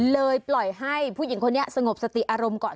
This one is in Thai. ปล่อยให้ผู้หญิงคนนี้สงบสติอารมณ์ก่อน